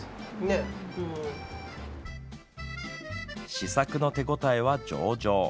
試作の手応えは上々。